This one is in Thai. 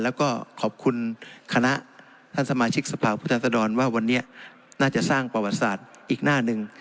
แล้วก็ขอบคุณคณะท่านสมาชิกสภาพุทธรว่าวันนี้น่าจะสร้างประวัติศาสตร์อีกหน้าหนึ่ง